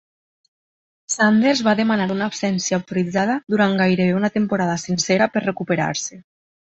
Sanders va demanar una absència autoritzada durant gairebé una temporada sencera per recuperar-se.